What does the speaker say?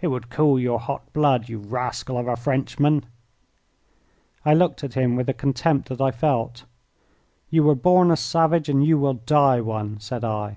It would cool your hot blood, you rascal of a Frenchman!" I looked at him with the contempt that I felt. "You were born a savage and you will die one," said I.